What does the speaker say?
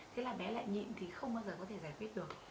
thế là bé lại nhịn thì không bao giờ có thể giải quyết được